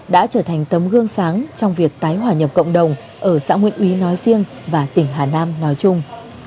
đã trở thành tấm gương sáng trong việc tái hòa nhập cộng đồng ở xã nguyện úy nói riêng và tỉnh hà nam nói chung